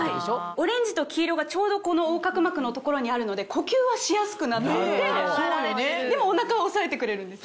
オレンジと黄色がちょうど横隔膜の所にあるので呼吸はしやすくなっていてでもお腹は抑えてくれるんです。